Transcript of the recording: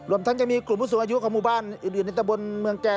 รวมทั้งมีกลุ่มผู้สูงอยู่ของหมู่บ้านหรือนิตบนเมืองแจ